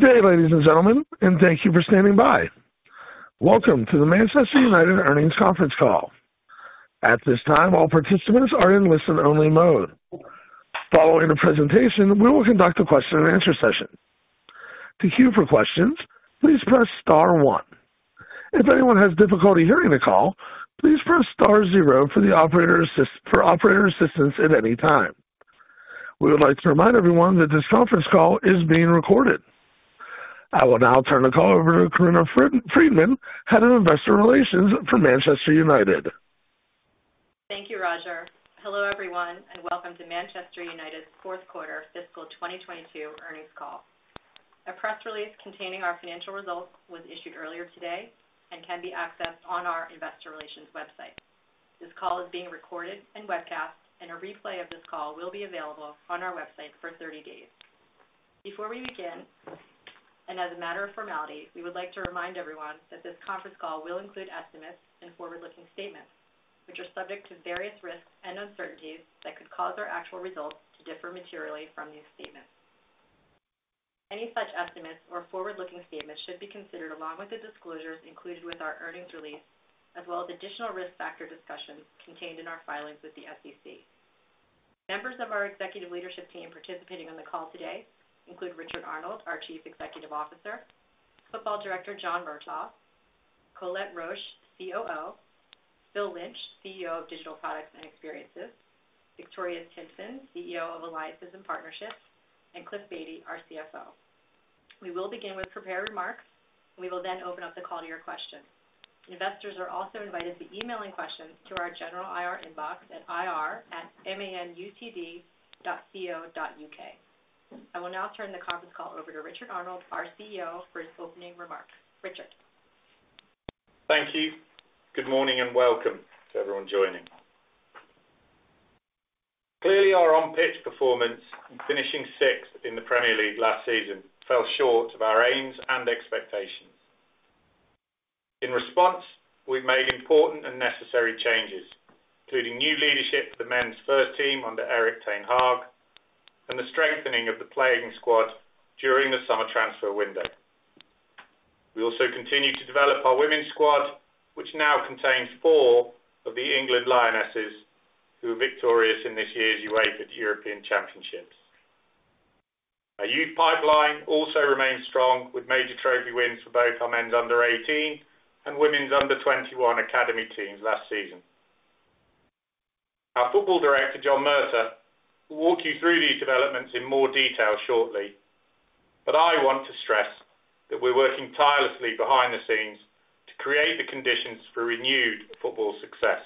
Good day, ladies and gentlemen, and thank you for standing by. Welcome to the Manchester United Earnings Conference Call. At this time, all participants are in listen-only mode. Following the presentation, we will conduct a question-and-answer session. To queue for questions, please press star one. If anyone has difficulty hearing the call, please press star zero for operator assistance at any time. We would like to remind everyone that this conference call is being recorded. I will now turn the call over to Corinna Freedman, Head of Investor Relations for Manchester United. Thank you, Roger. Hello, everyone, and welcome to Manchester United's fourth quarter fiscal 2022 earnings call. A press release containing our financial results was issued earlier today and can be accessed on our investor relations website. This call is being recorded and webcast, and a replay of this call will be available on our website for 30 days. Before we begin, and as a matter of formality, we would like to remind everyone that this conference call will include estimates and forward-looking statements, which are subject to various risks and uncertainties that could cause our actual results to differ materially from these statements. Any such estimates or forward-looking statements should be considered along with the disclosures included with our earnings release, as well as additional risk factor discussions contained in our filings with the SEC. Members of our executive leadership team participating on the call today include Richard Arnold, our Chief Executive Officer, Football Director John Murtough, Collette Roche, COO, Phil Lynch, CEO of Digital Products and Experiences, Victoria Timpson, CEO of Alliances and Partnerships, and Cliff Baty, our CFO. We will begin with prepared remarks. We will then open up the call to your questions. Investors are also invited to email any questions to our general IR inbox at ir@manutd.co.uk. I will now turn the conference call over to Richard Arnold, our CEO, for his opening remarks. Richard. Thank you. Good morning and welcome to everyone joining. Clearly, our on-pitch performance in finishing sixth in the Premier League last season fell short of our aims and expectations. In response, we've made important and necessary changes, including new leadership for the men's first team under Erik ten Hag and the strengthening of the playing squad during the summer transfer window. We also continue to develop our women's squad, which now contains four of the England Lionesses who were victorious in this year's UEFA European Championships. Our youth pipeline also remains strong with major trophy wins for both our men's under-18 and women's under-21 academy teams last season. Our football director, John Murtough, will walk you through these developments in more detail shortly, but I want to stress that we're working tirelessly behind the scenes to create the conditions for renewed football success.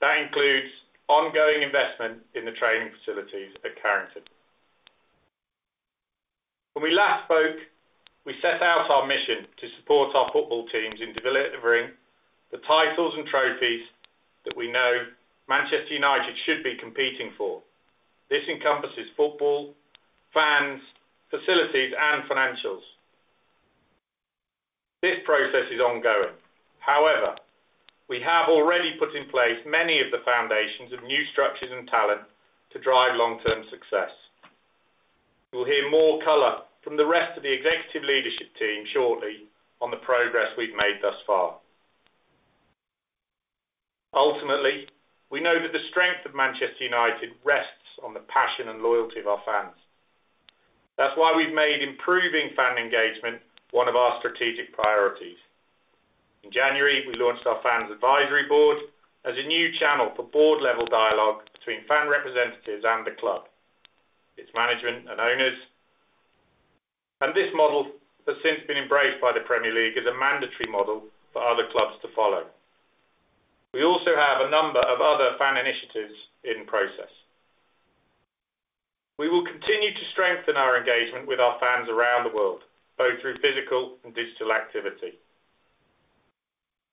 That includes ongoing investment in the training facilities at Carrington. When we last spoke, we set out our mission to support our football teams in delivering the titles and trophies that we know Manchester United should be competing for. This encompasses football, fans, facilities, and financials. This process is ongoing. However, we have already put in place many of the foundations of new structures and talent to drive long-term success. We'll hear more color from the rest of the executive leadership team shortly on the progress we've made thus far. Ultimately, we know that the strength of Manchester United rests on the passion and loyalty of our fans. That's why we've made improving fan engagement one of our strategic priorities. In January, we launched our Fans' Advisory Board as a new channel for board-level dialogue between fan representatives and the club, its management and owners. This model has since been embraced by the Premier League as a mandatory model for other clubs to follow. We also have a number of other fan initiatives in process. We will continue to strengthen our engagement with our fans around the world, both through physical and digital activity.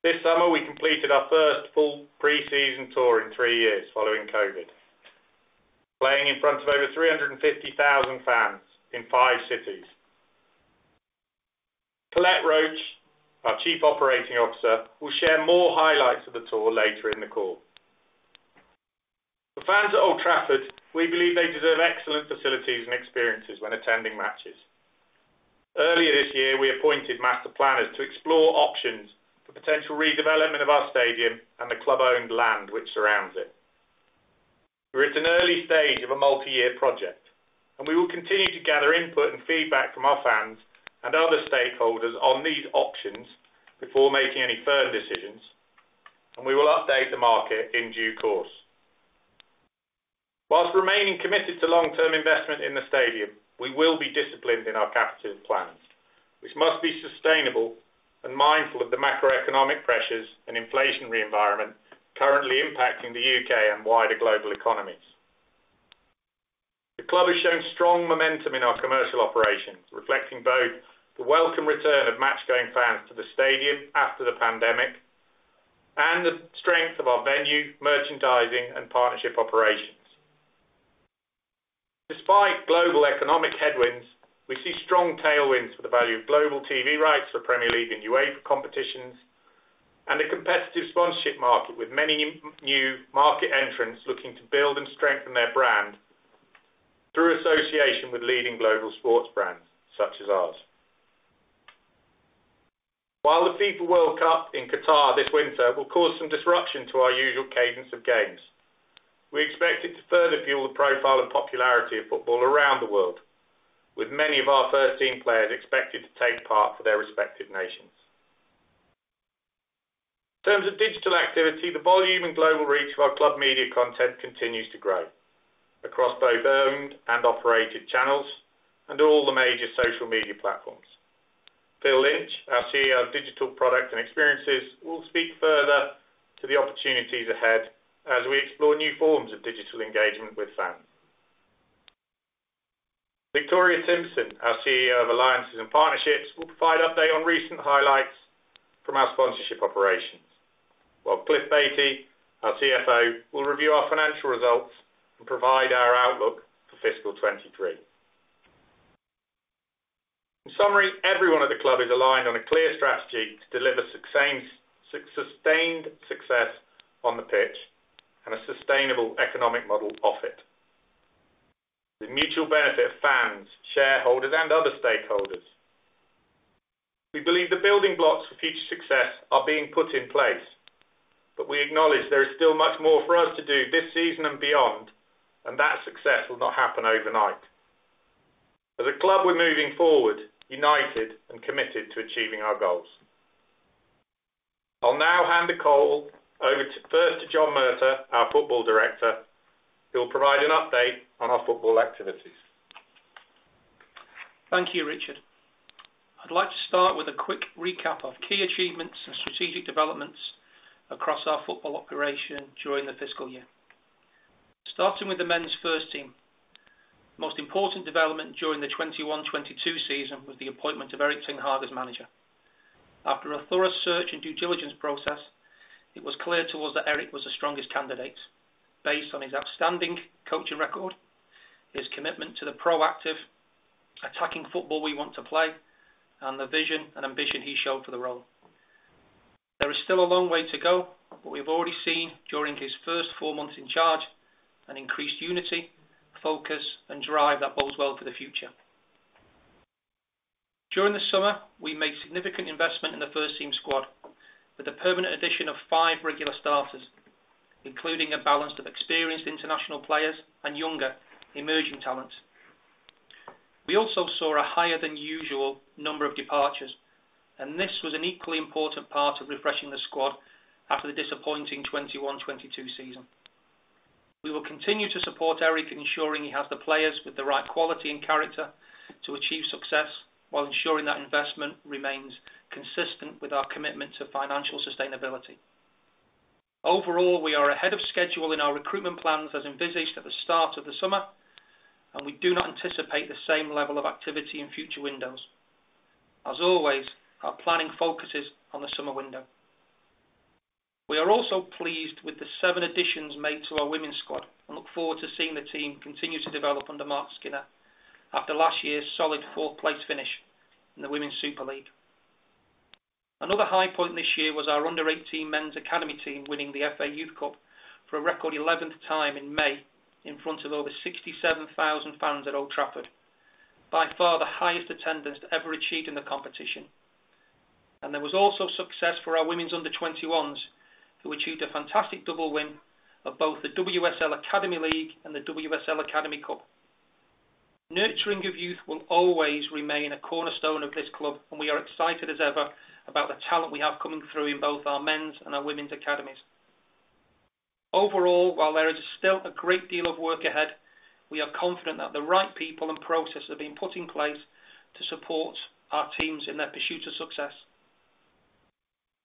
This summer, we completed our first full pre-season tour in three years following COVID, playing in front of over 350,000 fans in five cities. Collette Roche, our Chief Operating Officer, will share more highlights of the tour later in the call. For fans at Old Trafford, we believe they deserve excellent facilities and experiences when attending matches. Earlier this year, we appointed master planners to explore options for potential redevelopment of our stadium and the club-owned land which surrounds it. We're at an early stage of a multi-year project, and we will continue to gather input and feedback from our fans and other stakeholders on these options before making any firm decisions, and we will update the market in due course. Whilst remaining committed to long-term investment in the stadium, we will be disciplined in our capital plans, which must be sustainable and mindful of the macroeconomic pressures and inflationary environment currently impacting the U.K. and wider global economies. The club has shown strong momentum in our commercial operations, reflecting both the welcome return of match-going fans to the stadium after the pandemic and the strength of our venue, merchandising, and partnership operations. Despite global economic headwinds, we see strong tailwinds for the value of global TV rights for Premier League and UEFA competitions. A competitive sponsorship market with many new market entrants looking to build and strengthen their brand through association with leading global sports brands such as ours. While the FIFA World Cup in Qatar this winter will cause some disruption to our usual cadence of games, we expect it to further fuel the profile and popularity of football around the world, with many of our first team players expected to take part for their respective nations. In terms of digital activity, the volume and global reach of our club media content continues to grow across both owned and operated channels and all the major social media platforms. Phil Lynch, our CEO of Digital Products and Experiences, will speak further to the opportunities ahead as we explore new forms of digital engagement with fans. Victoria Timpson, our CEO of Alliances and Partnerships, will provide update on recent highlights from our sponsorship operations, while Cliff Baty, our CFO, will review our financial results and provide our outlook for fiscal 2023. In summary, everyone at the club is aligned on a clear strategy to deliver success, sustained success on the pitch and a sustainable economic model off it. The mutual benefit of fans, shareholders, and other stakeholders. We believe the building blocks for future success are being put in place, but we acknowledge there is still much more for us to do this season and beyond, and that success will not happen overnight. As a club, we're moving forward, united and committed to achieving our goals. I'll now hand the call over first to John Murtough, our Football Director, who will provide an update on our football activities. Thank you, Richard. I'd like to start with a quick recap of key achievements and strategic developments across our football operation during the fiscal year. Starting with the men's first team, most important development during the 2021-2022 season was the appointment of Erik ten Hag as manager. After a thorough search and due diligence process, it was clear to us that Erik was the strongest candidate based on his outstanding coaching record, his commitment to the proactive attacking football we want to play, and the vision and ambition he showed for the role. There is still a long way to go, but we've already seen during his first four months in charge an increased unity, focus, and drive that bodes well for the future. During the summer, we made significant investment in the first team squad with the permanent addition of five regular starters, including a balance of experienced international players and younger emerging talents. We also saw a higher than usual number of departures, and this was an equally important part of refreshing the squad after the disappointing 2021-2022 season. We will continue to support Erik, ensuring he has the players with the right quality and character to achieve success, while ensuring that investment remains consistent with our commitment to financial sustainability. Overall, we are ahead of schedule in our recruitment plans as envisaged at the start of the summer, and we do not anticipate the same level of activity in future windows. As always, our planning focus is on the summer window. We are also pleased with the seven additions made to our women's squad and look forward to seeing the team continue to develop under Marc Skinner after last year's solid fourth-place finish in the Women's Super League. Another high point this year was our under-18 men's academy team winning the FA Youth Cup for a record 11th time in May in front of over 67,000 fans at Old Trafford. By far the highest attendance ever achieved in the competition. There was also success for our women's under-21s, who achieved a fantastic double win of both the WSL Academy League and the WSL Academy Cup. Nurturing of youth will always remain a cornerstone of this club, and we are excited as ever about the talent we have coming through in both our men's and our women's academies. Overall, while there is still a great deal of work ahead, we are confident that the right people and processes have been put in place to support our teams in their pursuit of success.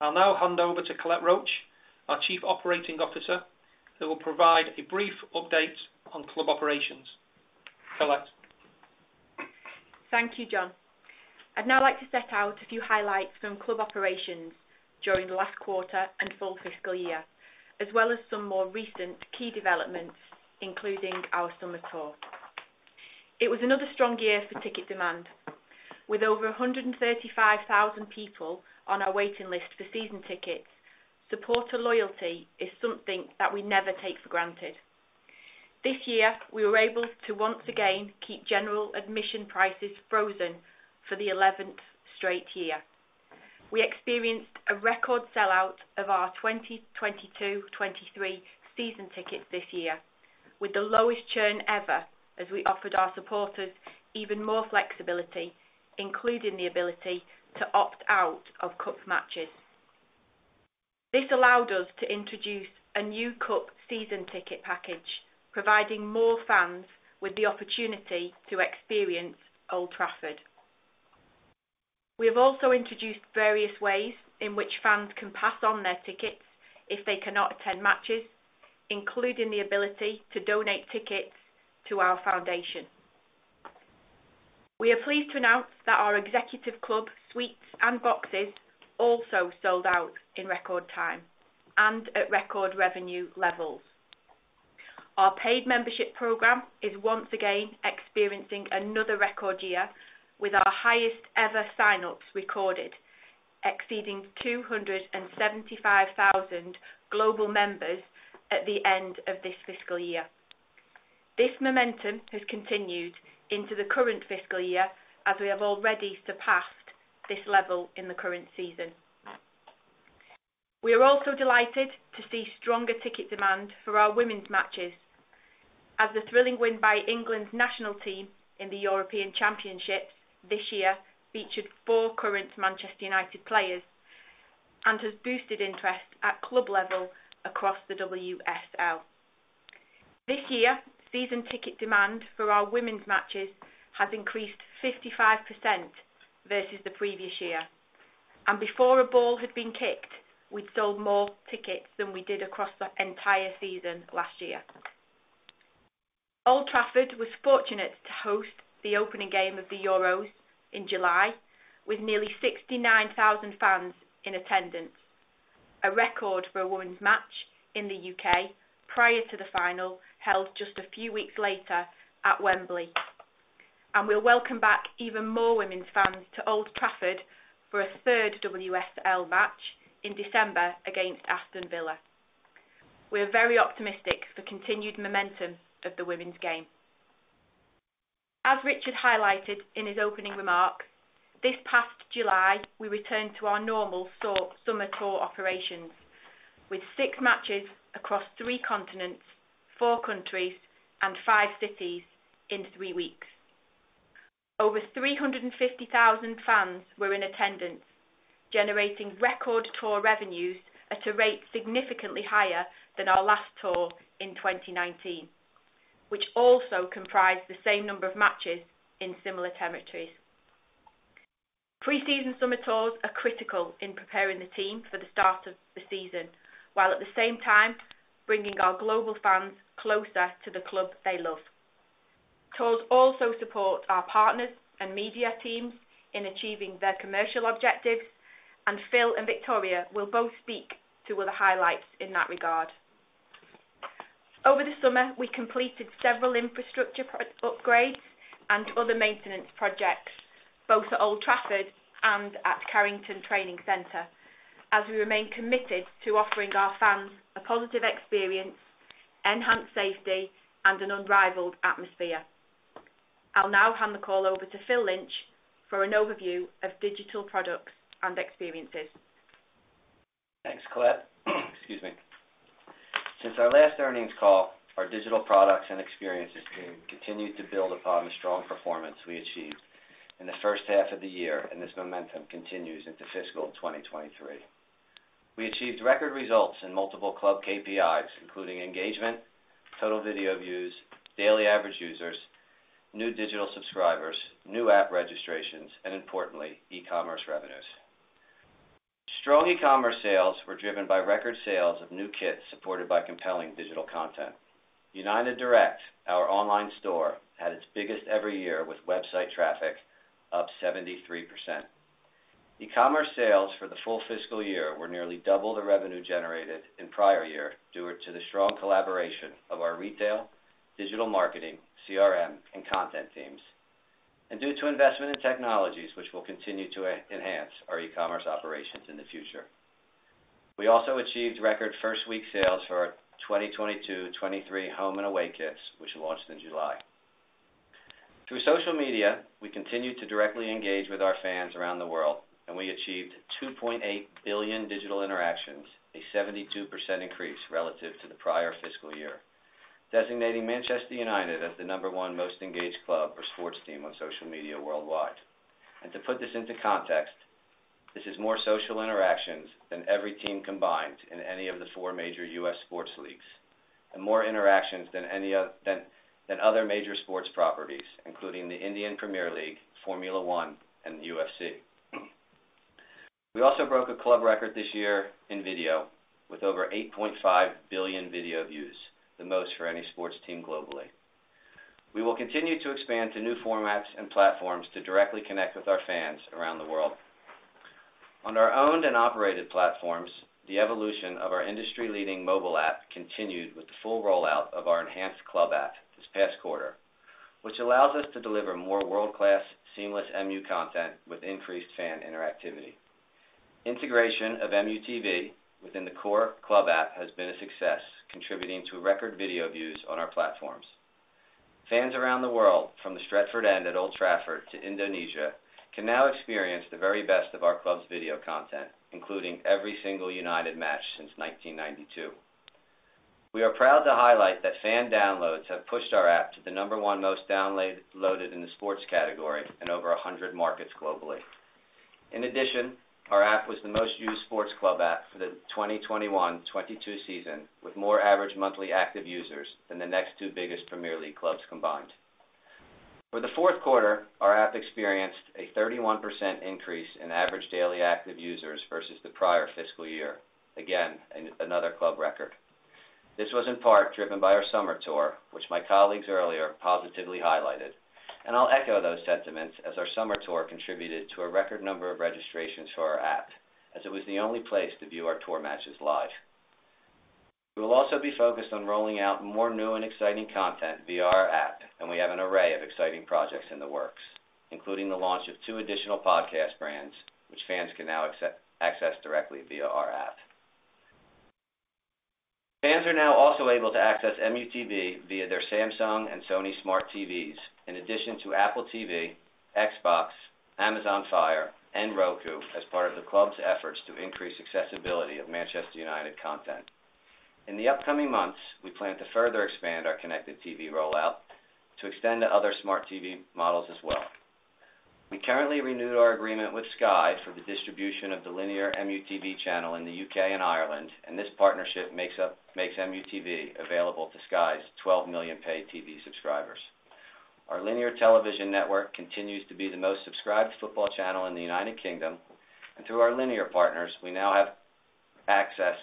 I'll now hand over to Collette Roche, our Chief Operating Officer, who will provide a brief update on club operations. Collette. Thank you, John. I'd now like to set out a few highlights from club operations during the last quarter and full fiscal year, as well as some more recent key developments, including our summer tour. It was another strong year for ticket demand. With over 135,000 people on our waiting list for season tickets, supporter loyalty is something that we never take for granted. This year, we were able to once again keep general admission prices frozen for the 11th straight year. We experienced a record sellout of our 2022/2023 season tickets this year, with the lowest churn ever as we offered our supporters even more flexibility, including the ability to opt out of cup matches. This allowed us to introduce a new cup season ticket package, providing more fans with the opportunity to experience Old Trafford. We have also introduced various ways in which fans can pass on their tickets if they cannot attend matches, including the ability to donate tickets to our foundation. We are pleased to announce that our executive club suites and boxes also sold out in record time and at record revenue levels. Our paid membership program is once again experiencing another record year with our highest ever signups recorded, exceeding 275,000 global members at the end of this fiscal year. This momentum has continued into the current fiscal year as we have already surpassed this level in the current season. We are also delighted to see stronger ticket demand for our women's matches as the thrilling win by England's national team in the European Championships this year featured four current Manchester United players and has boosted interest at club level across the WSL. This year, season ticket demand for our women's matches has increased 55% versus the previous year. Before a ball had been kicked, we'd sold more tickets than we did across the entire season last year. Old Trafford was fortunate to host the opening game of the Euros in July with nearly 69,000 fans in attendance, a record for a women's match in the U.K. prior to the final, held just a few weeks later at Wembley. We'll welcome back even more women's fans to Old Trafford for a third WSL match in December against Aston Villa. We are very optimistic for continued momentum of the women's game. As Richard highlighted in his opening remarks, this past July, we returned to our normal summer tour operations with six matches across three continents, four countries, and five cities in three weeks. Over 350,000 fans were in attendance, generating record tour revenues at a rate significantly higher than our last tour in 2019, which also comprised the same number of matches in similar territories. Pre-season summer tours are critical in preparing the team for the start of the season, while at the same time bringing our global fans closer to the club they love. Tours also support our partners and media teams in achieving their commercial objectives, and Phil and Victoria will both speak to other highlights in that regard. Over the summer, we completed several infrastructure upgrades and other maintenance projects, both at Old Trafford and at Carrington Training Center, as we remain committed to offering our fans a positive experience, enhanced safety, and an unrivaled atmosphere. I'll now hand the call over to Phil Lynch for an overview of digital products and experiences. Thanks, Collette. Excuse me. Since our last earnings call, our digital products and experiences team continued to build upon the strong performance we achieved in the first half of the year, and this momentum continues into fiscal 2023. We achieved record results in multiple club KPIs, including engagement, total video views, daily average users, new digital subscribers, new app registrations, and importantly, e-commerce revenues. Strong e-commerce sales were driven by record sales of new kits supported by compelling digital content. United Direct, our online store, had its biggest ever year with website traffic up 73%. E-commerce sales for the full fiscal year were nearly double the revenue generated in prior year due to the strong collaboration of our retail, digital marketing, CRM, and content teams, and due to investment in technologies which will continue to enhance our e-commerce operations in the future. We also achieved record first-week sales for our 2022-2023 home and away kits, which launched in July. Through social media, we continued to directly engage with our fans around the world, and we achieved 2.8 billion digital interactions, a 72% increase relative to the prior fiscal year, designating Manchester United as the number one most engaged club or sports team on social media worldwide. To put this into context, this is more social interactions than every team combined in any of the four major US sports leagues, and more interactions than any other major sports properties, including the Indian Premier League, Formula One, and the UFC. We also broke a club record this year in video with over 8.5 billion video views, the most for any sports team globally. We will continue to expand to new formats and platforms to directly connect with our fans around the world. On our owned and operated platforms, the evolution of our industry-leading mobile app continued with the full rollout of our enhanced club app this past quarter, which allows us to deliver more world-class seamless MU content with increased fan interactivity. Integration of MUTV within the core club app has been a success, contributing to record video views on our platforms. Fans around the world from the Stretford End at Old Trafford to Indonesia can now experience the very best of our club's video content, including every single United match since 1992. We are proud to highlight that fan downloads have pushed our app to the number one most downloaded in the sports category in over 100 markets globally. In addition, our app was the most used sports club app for the 2021-2022 season, with more average monthly active users than the next two biggest Premier League clubs combined. For the fourth quarter, our app experienced a 31% increase in average daily active users versus the prior fiscal year. Again, another club record. This was in part driven by our summer tour. My colleagues earlier positively highlighted, and I'll echo those sentiments as our summer tour contributed to a record number of registrations for our app, as it was the only place to view our tour matches live. We will also be focused on rolling out more new and exciting content via our app, and we have an array of exciting projects in the works, including the launch of two additional podcast brands, which fans can now access directly via our app. Fans are now also able to access MUTV via their Samsung and Sony smart TVs, in addition to Apple TV, Xbox, Amazon Fire, and Roku as part of the club's efforts to increase accessibility of Manchester United content. In the upcoming months, we plan to further expand our connected TV rollout to extend to other smart TV models as well. We currently renewed our agreement with Sky for the distribution of the linear MUTV channel in the UK and Ireland, and this partnership makes MUTV available to Sky's 12 million paid TV subscribers. Our linear television network continues to be the most subscribed football channel in the United Kingdom, and through our linear partners, we now have access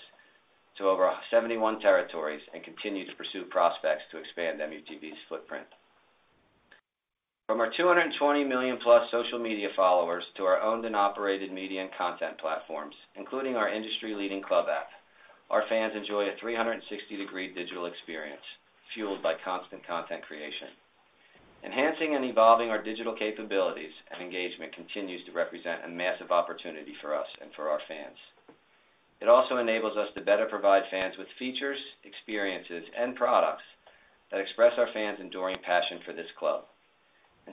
to over 71 territories and continue to pursue prospects to expand MUTV's footprint. From our 220 million-plus social media followers to our owned and operated media and content platforms, including our industry-leading club app, our fans enjoy a 360-degree digital experience fueled by constant content creation. Enhancing and evolving our digital capabilities and engagement continues to represent a massive opportunity for us and for our fans. It also enables us to better provide fans with features, experiences, and products that express our fans' enduring passion for this club.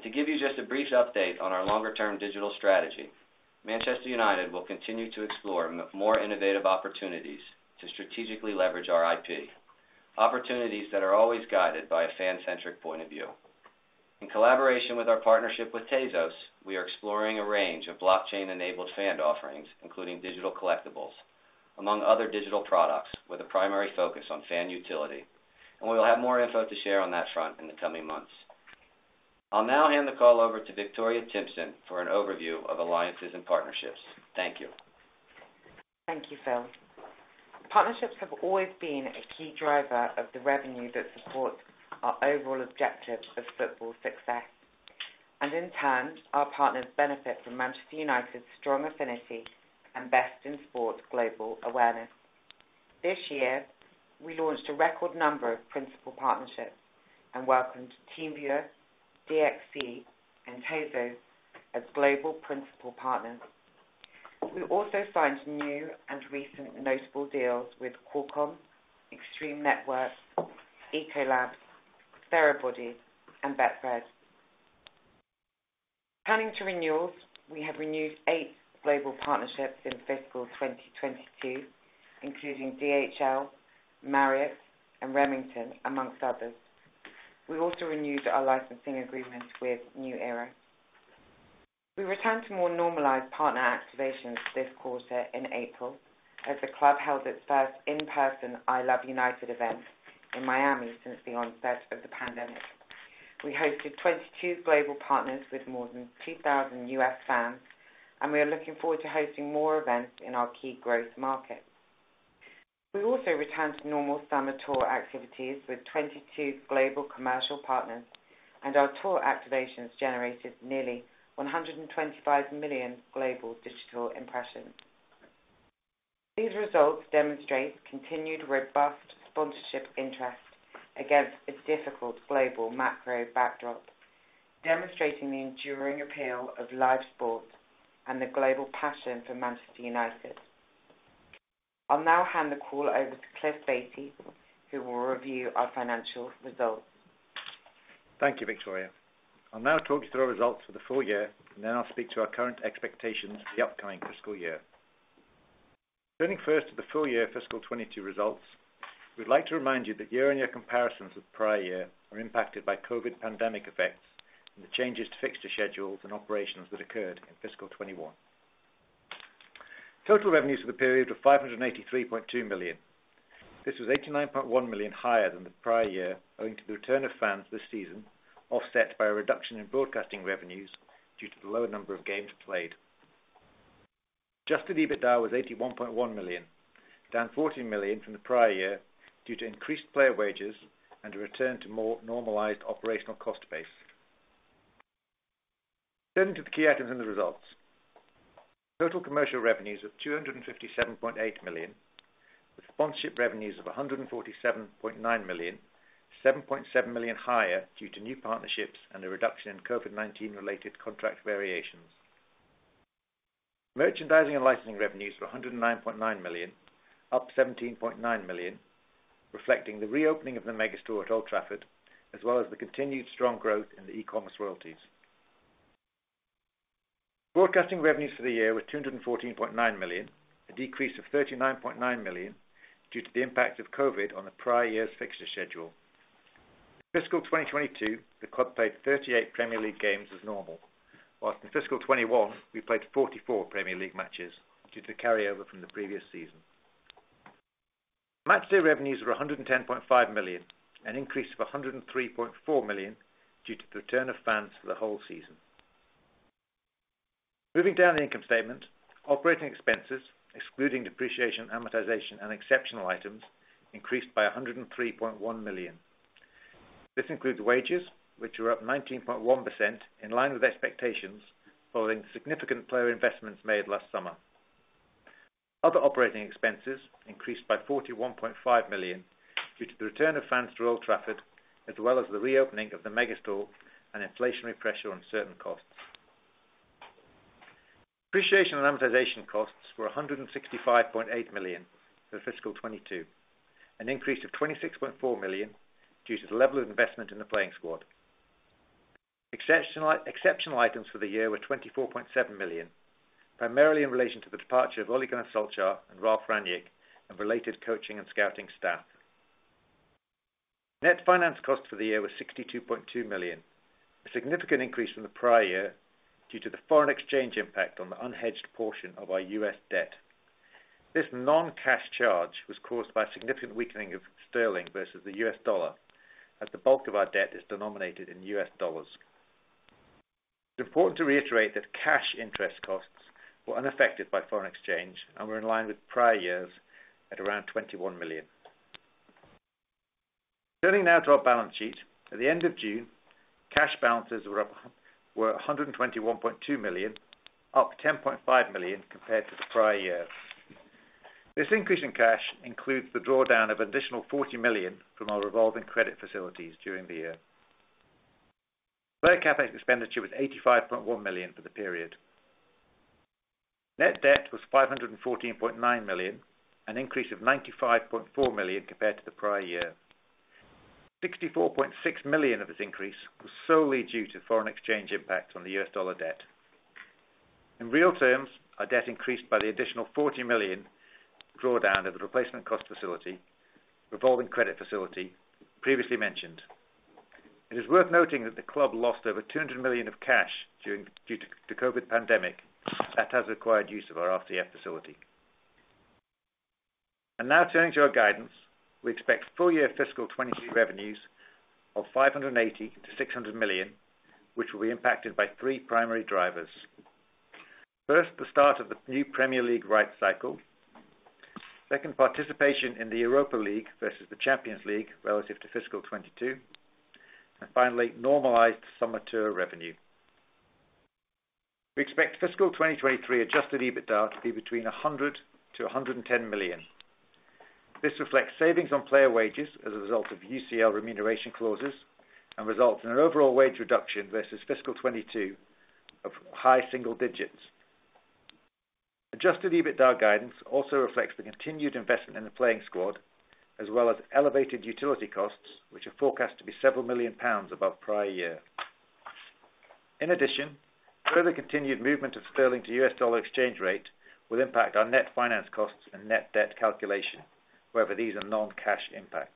To give you just a brief update on our longer-term digital strategy, Manchester United will continue to explore more innovative opportunities to strategically leverage our IP. Opportunities that are always guided by a fan-centric point of view. In collaboration with our partnership with Tezos, we are exploring a range of blockchain-enabled fan offerings, including digital collectibles, among other digital products, with a primary focus on fan utility, and we will have more info to share on that front in the coming months. I'll now hand the call over to Victoria Timpson for an overview of alliances and partnerships. Thank you. Thank you, Phil. Partnerships have always been a key driver of the revenue that supports our overall objective of football success. In turn, our partners benefit from Manchester United's strong affinity and best-in-sport global awareness. This year, we launched a record number of principal partnerships and welcomed TeamViewer, DXC, and Tezos as global principal partners. We also signed new and recent notable deals with Qualcomm, Extreme Networks, Ecolab, Therabody, and Betfred. Turning to renewals, we have renewed eight global partnerships in fiscal 2022, including DHL, Marriott, and Remington, among others. We also renewed our licensing agreement with New Era. We returned to more normalized partner activations this quarter in April, as the club held its first in-person I Love United event in Miami since the onset of the pandemic. We hosted 22 global partners with more than 2,000 US fans, and we are looking forward to hosting more events in our key growth markets. We also returned to normal summer tour activities with 22 global commercial partners, and our tour activations generated nearly 125 million global digital impressions. These results demonstrate continued robust sponsorship interest against a difficult global macro backdrop, demonstrating the enduring appeal of live sports and the global passion for Manchester United. I'll now hand the call over to Cliff Baty who will review our financial results. Thank you, Victoria. I'll now talk you through our results for the full year, and then I'll speak to our current expectations for the upcoming fiscal year. Turning first to the full year fiscal 2022 results, we'd like to remind you that year-on-year comparisons of the prior year are impacted by COVID pandemic effects and the changes to fixture schedules and operations that occurred in fiscal 2021. Total revenues for the period were 583.2 million. This was 89.1 million higher than the prior year, owing to the return of fans this season, offset by a reduction in broadcasting revenues due to the lower number of games played. Adjusted EBITDA was 81.1 million, down 14 million from the prior year due to increased player wages and a return to more normalized operational cost base. Turning to the key items in the results. Total commercial revenues of 257.8 million, with sponsorship revenues of 147.9 million, 7.7 million higher due to new partnerships and a reduction in COVID-19 related contract variations. Merchandising and licensing revenues were 109.9 million, up 17.9 million, reflecting the reopening of the mega store at Old Trafford, as well as the continued strong growth in the e-commerce royalties. Broadcasting revenues for the year were 214.9 million, a decrease of 39.9 million, due to the impact of COVID on the prior year's fixture schedule. Fiscal 2022, the club played 38 Premier League games as normal, while in Fiscal 2021, we played 44 Premier League matches due to the carryover from the previous season. Match day revenues were 110.5 million, an increase of 103.4 million due to the return of fans for the whole season. Moving down the income statement. Operating expenses, excluding depreciation, amortization, and exceptional items increased by 103.1 million. This includes wages, which were up 19.1% in line with expectations following significant player investments made last summer. Other operating expenses increased by 41.5 million due to the return of fans to Old Trafford, as well as the reopening of the Megastore and inflationary pressure on certain costs. Depreciation and amortization costs were 165.8 million for fiscal 2022, an increase of 26.4 million due to the level of investment in the playing squad. Exceptional items for the year were 24.7 million, primarily in relation to the departure of Ole Gunnar Solskjaer and Ralf Rangnick and related coaching and scouting staff. Net finance costs for the year were 62.2 million, a significant increase from the prior year due to the foreign exchange impact on the unhedged portion of our US debt. This non-cash charge was caused by significant weakening of sterling versus the US dollar, as the bulk of our debt is denominated in US dollars. It's important to reiterate that cash interest costs were unaffected by foreign exchange and were in line with prior years at around 21 million. Turning now to our balance sheet. At the end of June, cash balances were 121.2 million, up 10.5 million compared to the prior year. This increase in cash includes the drawdown of additional 40 million from our revolving credit facilities during the year. Player CapEx expenditure was 85.1 million for the period. Net debt was 514.9 million, an increase of 95.4 million compared to the prior year. 64.6 million of this increase was solely due to foreign exchange impacts on the US dollar debt. In real terms, our debt increased by the additional 40 million drawdown of the revolving credit facility previously mentioned. It is worth noting that the club lost over 200 million of cash due to the COVID pandemic that has required use of our RCF facility. Now turning to our guidance. We expect full-year fiscal 2022 revenues of 580 million-600 million, which will be impacted by three primary drivers. First, the start of the new Premier League rights cycle. Second, participation in the Europa League versus the Champions League relative to fiscal 2022. Finally, normalized summer tour revenue. We expect fiscal 2023 adjusted EBITDA to be between 100 million-110 million. This reflects savings on player wages as a result of UCL remuneration clauses and results in an overall wage reduction versus fiscal 2022 of high single digits%. Adjusted EBITDA guidance also reflects the continued investment in the playing squad, as well as elevated utility costs, which are forecast to be several million GBP above prior year. In addition, further continued movement of sterling to US dollar exchange rate will impact our net finance costs and net debt calculation. However, these are non-cash impacts.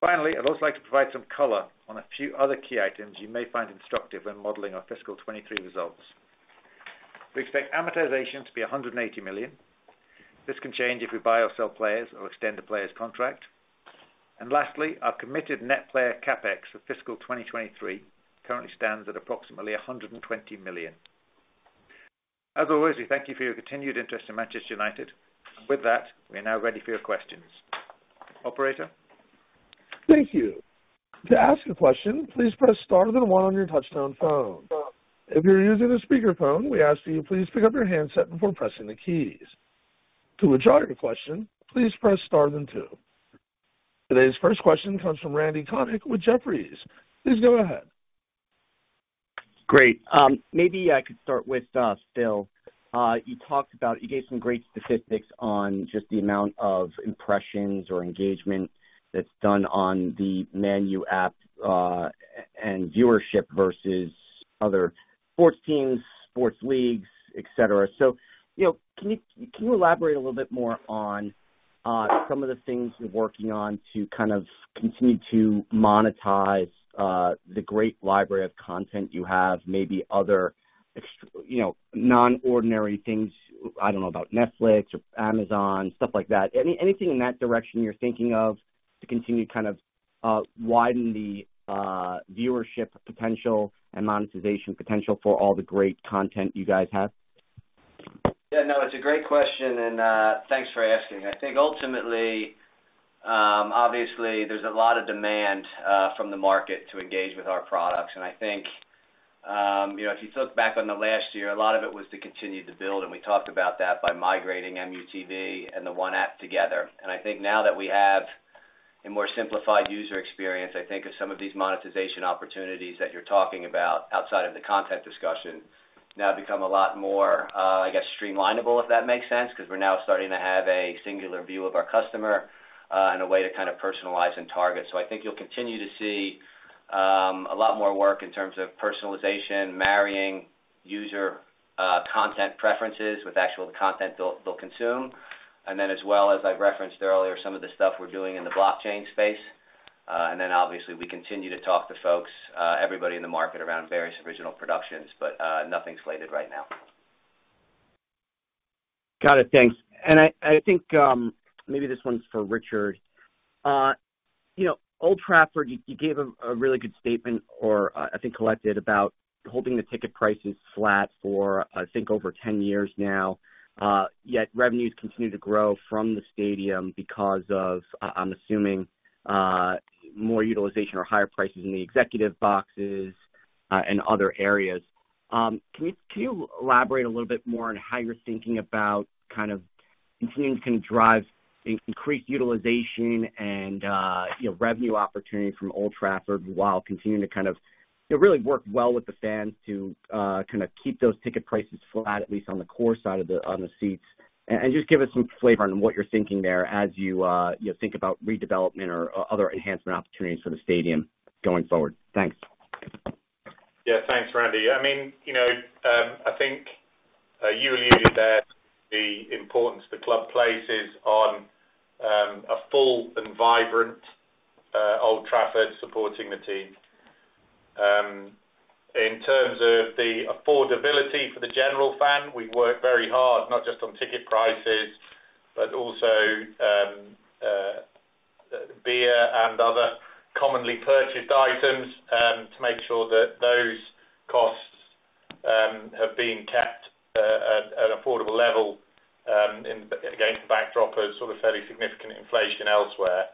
Finally, I'd also like to provide some color on a few other key items you may find instructive when modeling our fiscal 2023 results. We expect amortization to be 180 million. This can change if we buy or sell players or extend a player's contract. Lastly, our committed net player CapEx for fiscal 2023 currently stands at approximately 120 million. As always, we thank you for your continued interest in Manchester United. With that, we are now ready for your questions. Operator? Thank you. To ask a question, please press star then one on your touch-tone phone. If you're using a speakerphone, we ask that you please pick up your handset before pressing the keys. To withdraw your question, please press star then two. Today's first question comes from Randy Konik with Jefferies. Please go ahead. Great. Maybe I could start with Phil. You gave some great specifics on just the amount of impressions or engagement that's done on the Man U app, and viewership versus other sports teams, sports leagues, et cetera. You know, can you elaborate a little bit more on some of the things you're working on to kind of continue to monetize the great library of content you have, maybe other extraordinary things, I don't know, about Netflix or Amazon, stuff like that? Anything in that direction you're thinking of to continue to kind of widen the viewership potential and monetization potential for all the great content you guys have? Yeah, no, it's a great question, and thanks for asking. I think ultimately, obviously there's a lot of demand from the market to engage with our products. I think, you know, if you look back on the last year, a lot of it was to continue to build, and we talked about that by migrating MUTV and the One app together. I think now that we have a more simplified user experience, I think of some of these monetization opportunities that you're talking about outside of the content discussion now become a lot more, I guess, streamlinable, if that makes sense, because we're now starting to have a singular view of our customer, and a way to kind of personalize and target. I think you'll continue to see a lot more work in terms of personalization, marrying user content preferences with actual content they'll consume. As well, as I referenced earlier, some of the stuff we're doing in the blockchain space. Obviously we continue to talk to folks, everybody in the market around various original productions, but nothing's slated right now. Got it. Thanks. I think maybe this one's for Richard. You know, Old Trafford, you gave a really good statement or, I think Collette about holding the ticket prices flat for I think over 10 years now. Yet revenues continue to grow from the stadium because of, I'm assuming, more utilization or higher prices in the executive boxes, and other areas. Can you elaborate a little bit more on how you're thinking about kind of continuing to drive increased utilization and, you know, revenue opportunity from Old Trafford while continuing to kind of really work well with the fans to, kind of keep those ticket prices flat, at least on the core side of the, on the seats. Just give us some flavor on what you're thinking there as you know, think about redevelopment or other enhancement opportunities for the stadium going forward. Thanks. Yeah. Thanks, Randy. I mean, you know, I think you alluded to the importance the club places on a full and vibrant Old Trafford supporting the team. In terms of the affordability for the general fan, we work very hard, not just on ticket prices, but also beer and other commonly purchased items to make sure that those costs have been kept at an affordable level against the backdrop of sort of fairly significant inflation elsewhere.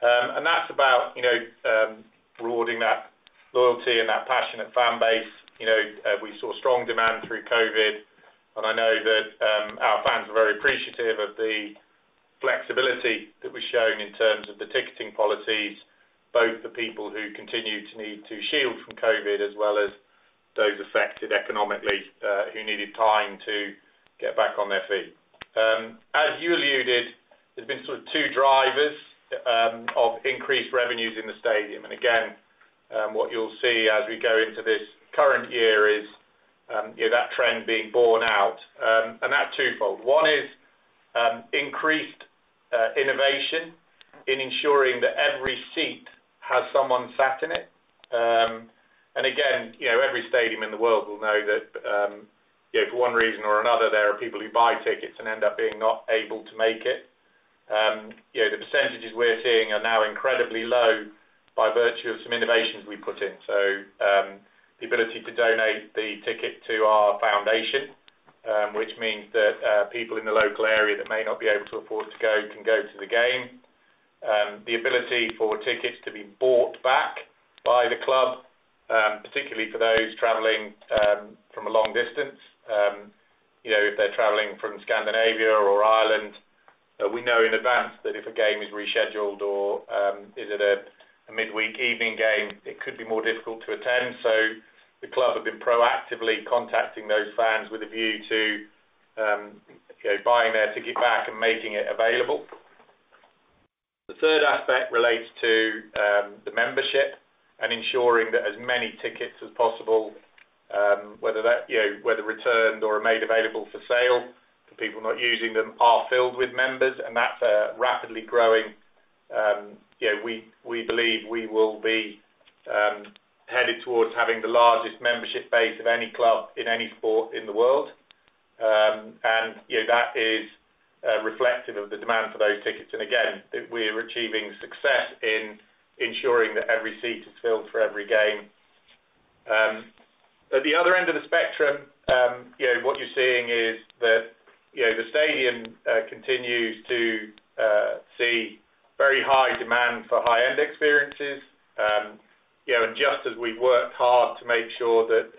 That's about, you know, rewarding that loyalty and that passionate fan base. You know, we saw strong demand through COVID, and I know that, our fans were very appreciative of the flexibility that we've shown in terms of the ticketing policies, both the people who continued to need to shield from COVID, as well as those affected economically, who needed time to get back on their feet. As you alluded, there's been sort of two drivers of increased revenues in the stadium. What you'll see as we go into this current year is, you know, that trend being borne out, and that twofold. One is, increased innovation in ensuring that every seat has someone sat in it. Again, you know, every stadium in the world will know that, you know, for one reason or another, there are people who buy tickets and end up being not able to make it. You know, the percentages we're seeing are now incredibly low by virtue of some innovations we put in. The ability to donate the ticket to our foundation, which means that, people in the local area that may not be able to afford to go, can go to the game. The ability for tickets to be bought back by the club, particularly for those traveling, from a long distance, you know, if they're traveling from Scandinavia or Ireland, we know in advance that if a game is rescheduled or, is a midweek evening game, it could be more difficult to attend. The club have been proactively contacting those fans with a view to buying their ticket back and making it available. The third aspect relates to the membership and ensuring that as many tickets as possible, whether that, you know, whether returned or made available for sale, for people not using them, are filled with members, and that's a rapidly growing, you know, we believe we will be headed towards having the largest membership base of any club in any sport in the world. You know, that is reflective of the demand for those tickets. We're achieving success in ensuring that every seat is filled for every game. At the other end of the spectrum, you know, what you're seeing is that, the stadium continues to see very high demand for high-end experiences. You know, just as we've worked hard to make sure that,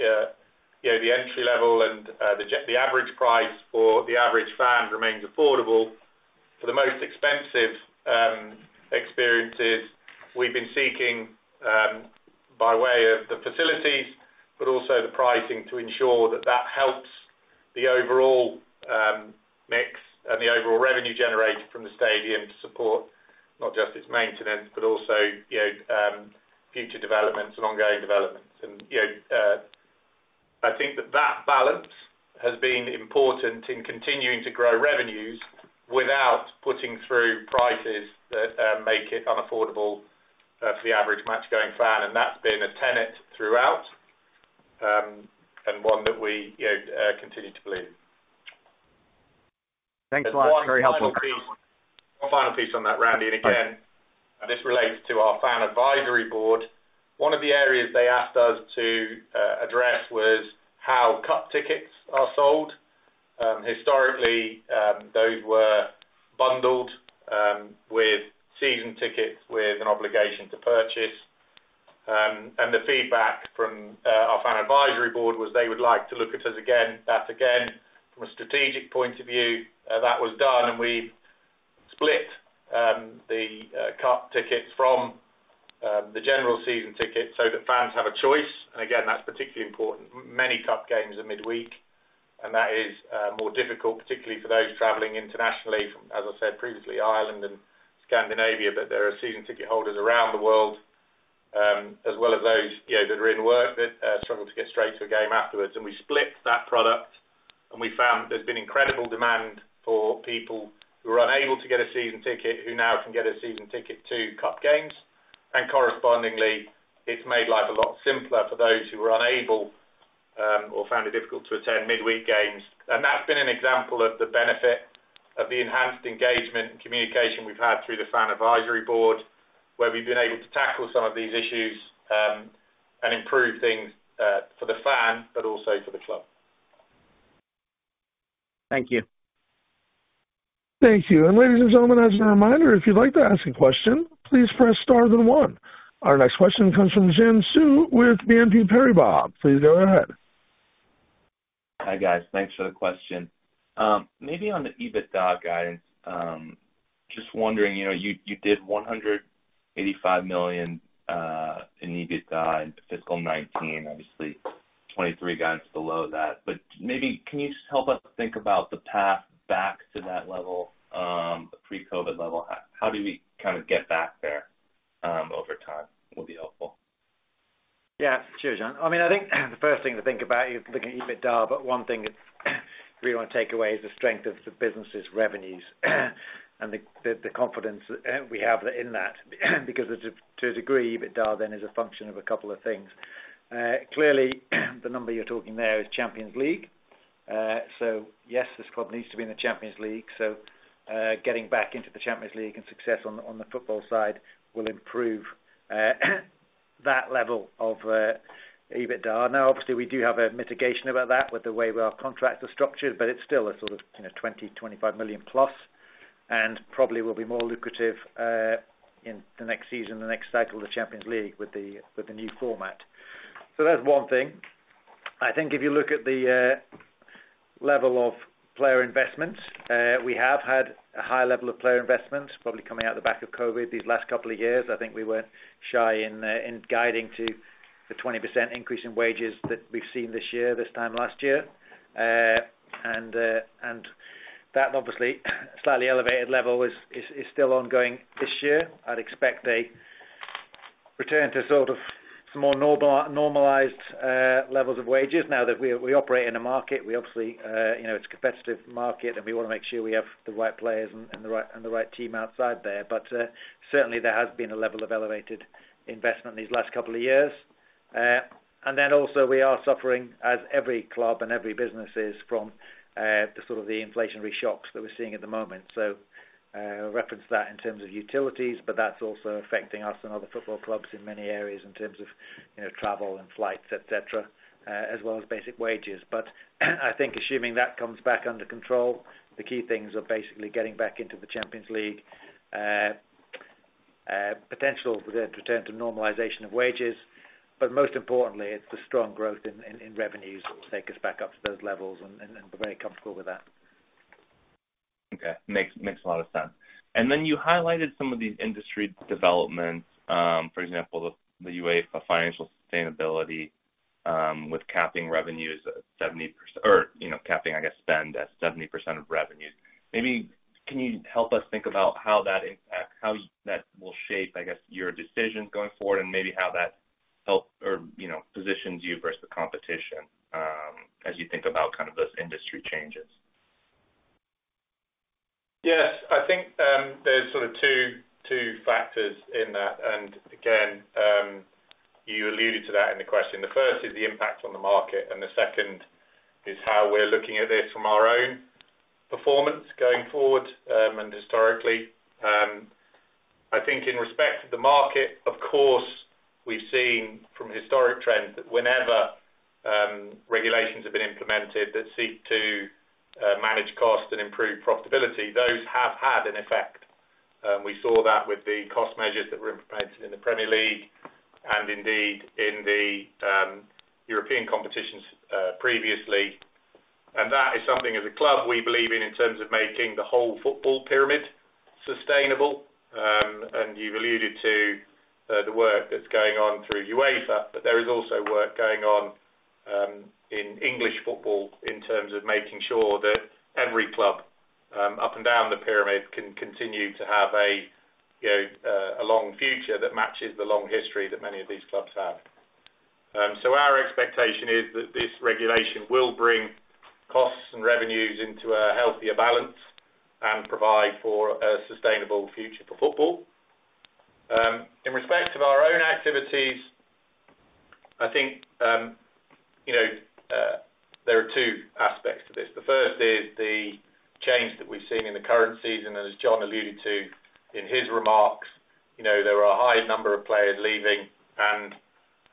you know, the entry level and the average price for the average fan remains affordable, for the most expensive experiences we've been seeking by way of the facilities, but also the pricing to ensure that that helps the overall mix and the overall revenue generated from the stadium to support not just its maintenance, but also, you know, future developments and ongoing developments. You know, I think that that balance has been important in continuing to grow revenues without putting through prices that make it unaffordable for the average match-going fan. That's been a tenet throughout, and one that we, you know, continue to believe. Thanks a lot. Very helpful. One final piece on that, Randy. Okay. Again, this relates to our Fans' Advisory Board. One of the areas they asked us to address was how cup tickets are sold. Historically, those were bundled with season tickets with an obligation to purchase. The feedback from our Fans' Advisory Board was they would like to look at that again from a strategic point of view, that was done and we split the cup tickets from the general season ticket so that fans have a choice. Again, that's particularly important. Many cup games are midweek, and that is more difficult, particularly for those traveling internationally from, as I said previously, Ireland and Scandinavia, but there are season ticket holders around the world as well as those you know that are in work that struggle to get straight to a game afterwards. We split that product and we found there's been incredible demand for people who are unable to get a season ticket, who now can get a season ticket to cup games. Correspondingly, it's made life a lot simpler for those who are unable or found it difficult to attend midweek games. That's been an example of the benefit of the enhanced engagement and communication we've had through the Fans' Advisory Board, where we've been able to tackle some of these issues and improve things for the fan, but also for the club. Thank you. Thank you. Ladies and gentlemen, as a reminder, if you'd like to ask a question, please press star then one. Our next question comes from Xian Siew with BNP Paribas. Please go ahead. Hi, guys. Thanks for the question. Maybe on the EBITDA guidance, just wondering, you know, you did 185 million in EBITDA in fiscal 2019. Obviously, 2023 guidance below that. Maybe can you just help us think about the path back to that level, the pre-COVID level? How do we kinda get back there over time would be helpful. Yeah, sure, Xian. I mean, I think the first thing to think about, you're looking at EBITDA, but one thing that we wanna take away is the strength of the business' revenues and the confidence we have in that. Because to a degree, EBITDA then is a function of a couple of things. Clearly, the number you're talking there is Champions League. Yes, this club needs to be in the Champions League. Getting back into the Champions League and success on the football side will improve that level of EBITDA. Now, obviously, we do have a mitigation about that with the way our contracts are structured, but it's still a sort of, you know, 20-25 million plus, and probably will be more lucrative in the next season, the next cycle of the Champions League with the new format. That's one thing. I think if you look at the level of player investments, we have had a high level of player investments, probably coming out the back of COVID these last couple of years. I think we weren't shy in guiding to the 20% increase in wages that we've seen this year, this time last year. That obviously, slightly elevated level is still ongoing this year. I'd expect a return to normalized levels of wages now that we operate in a market. We obviously, you know, it's a competitive market, and we wanna make sure we have the right players and the right team out there. Certainly there has been a level of elevated investment these last couple of years. Then also we are suffering as every club and every business is from the sort of inflationary shocks that we're seeing at the moment. Reference that in terms of utilities, but that's also affecting us and other football clubs in many areas in terms of, you know, travel and flights, et cetera, as well as basic wages. I think assuming that comes back under control, the key things are basically getting back into the Champions League, potential return to normalization of wages. Most importantly, it's the strong growth in revenues will take us back up to those levels, and we're very comfortable with that. Okay. Makes a lot of sense. You highlighted some of the industry developments, for example, the UEFA financial sustainability with capping revenues at 70% or, you know, capping, I guess, spend at 70% of revenues. Maybe can you help us think about how that will shape, I guess, your decisions going forward and maybe how that help or, you know, positions you versus the competition as you think about kind of those industry changes? Yes. I think there's sort of two factors in that. Again, you alluded to that in the question. The first is the impact on the market, and the second is how we're looking at this from our own performance going forward, and historically. I think in respect to the market, of course, we've seen from historic trends that whenever regulations have been implemented that seek to manage costs and improve profitability, those have had an effect. We saw that with the cost measures that were implemented in the Premier League and indeed in the European competitions previously. That is something as a club we believe in terms of making the whole football pyramid sustainable. You've alluded to the work that's going on through UEFA, but there is also work going on in English football in terms of making sure that every club up and down the pyramid can continue to have a, you know, a long future that matches the long history that many of these clubs have. Our expectation is that this regulation will bring costs and revenues into a healthier balance and provide for a sustainable future for football. In respect of our own activities, I think, you know, there are two aspects to this. The first is the change that we've seen in the current season, and as John alluded to in his remarks, you know, there were a high number of players leaving and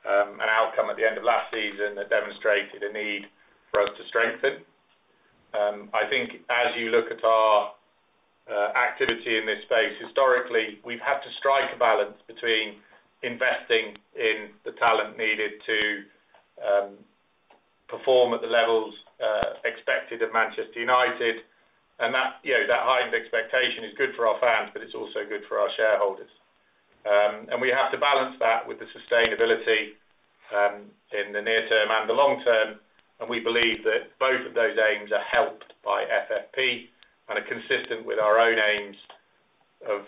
an outcome at the end of last season that demonstrated a need for us to strengthen. I think as you look at our activity in this space, historically, we've had to strike a balance between investing in the talent needed to perform at the levels expected of Manchester United. That, you know, that heightened expectation is good for our fans, but it's also good for our shareholders. We have to balance that with the sustainability in the near term and the long term, and we believe that both of those aims are helped by FFP and are consistent with our own aims of,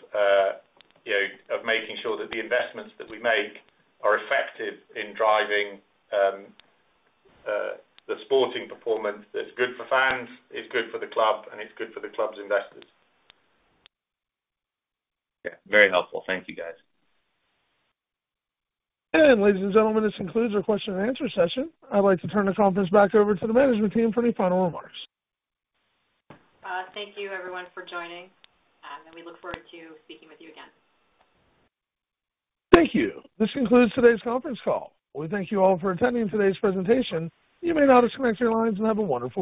you know, making sure that the investments that we make are effective in driving the sporting performance that's good for fans, it's good for the club, and it's good for the club's investors. Yeah. Very helpful. Thank you, guys. Ladies and gentlemen, this concludes our question-and-answer session. I'd like to turn the conference back over to the management team for any final remarks. Thank you everyone for joining, and we look forward to speaking with you again. Thank you. This concludes today's conference call. We thank you all for attending today's presentation. You may now disconnect your lines and have a wonderful day.